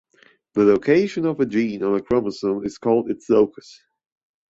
The location of a gene on a chromosome is called its locus.